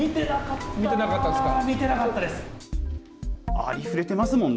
ありふれてますもんね。